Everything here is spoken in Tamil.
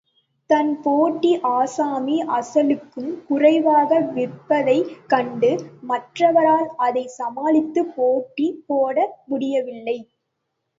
தன் போட்டி ஆசாமி அசலுக்கும் குறைவாக விற்பதைக் கண்டு, மற்றவரால் அதைச் சமாளித்துப் போட்டி போட முடியவில்லை.